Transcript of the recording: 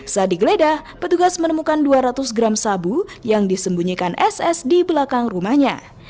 saat digeledah petugas menemukan dua ratus gram sabu yang disembunyikan ss di belakang rumahnya